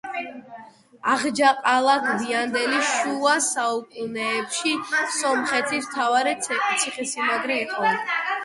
აღჯაყალა გვიანდელი შუა საუკუნეებში სომხითის მთავარი ციხესიმაგრე იყო.